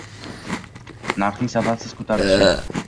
- narxning sababsiz ko‘tarilishi